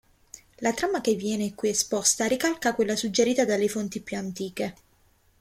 La trama che viene qui esposta ricalca quella suggerita dalle fonti più antiche.